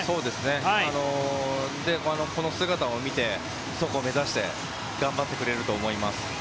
この姿を見てそこを目指して頑張ってくれると思います。